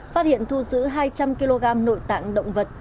phát hiện thu giữ hai trăm linh kg nội tạng động vật